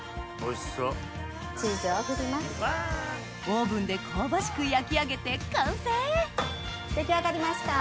オーブンで香ばしく焼き上げて完成出来上がりました。